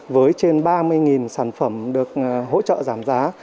với trên ba mươi sản phẩm được hỗ trợ giảm giá